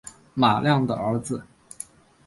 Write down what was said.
马亮的儿子